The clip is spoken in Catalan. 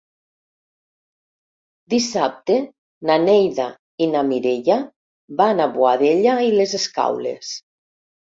Dissabte na Neida i na Mireia van a Boadella i les Escaules.